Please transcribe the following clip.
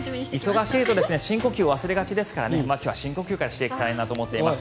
忙しいと深呼吸を忘れがちですから今日は深呼吸からしていきたいと思います。